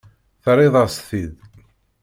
Terriḍ-as-t-id.